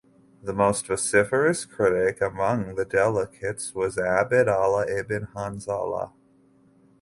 The most vociferous critic among the delegates was Abd Allah ibn Hanzala.